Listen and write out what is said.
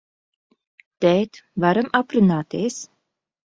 Tēt, varam aprunāties?